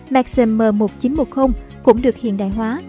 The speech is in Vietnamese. maxim m một nghìn chín trăm một mươi cũng được hiện đại hóa